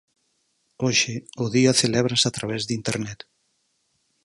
Hoxe, o día celébrase a través de Internet.